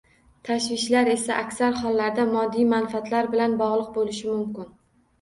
Tashvishlar esa aksar hollarda moddiy manfaatlar bilan bog`liq bo`lishi mumkin